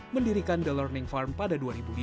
mendirikan the learning farm pada dua ribu lima